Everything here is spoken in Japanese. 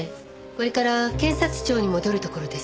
これから検察庁に戻るところです。